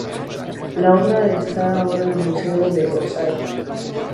La obra está ahora en el museo de Orsay.